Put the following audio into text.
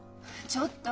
ちょっと！